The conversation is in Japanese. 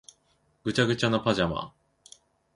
ぐちゃぐちゃなパジャマ